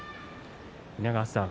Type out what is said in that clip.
稲川さん